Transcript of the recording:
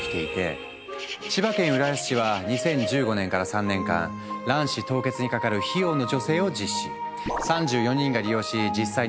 千葉県浦安市は２０１５年から３年間卵子凍結にかかる費用の助成を実施。